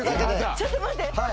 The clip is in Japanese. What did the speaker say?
ちょっと待って！